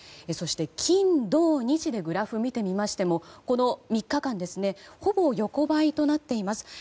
そして、金土日でグラフを見てみましてもこの３日間ほぼ横ばいとなっています。